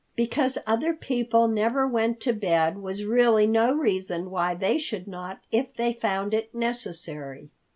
Because other people never went to bed was really no reason why they should not if they found it necessary.